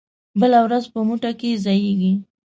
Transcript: بله ورځ په مو ټه کې ځائېږي